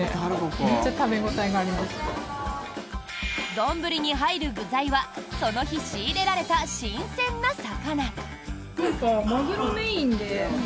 丼に入る具材はその日仕入れられた新鮮な魚。